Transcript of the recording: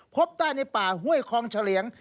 พบได้ในป่าห้วยคองเฉลี่ยง